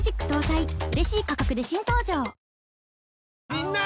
みんな！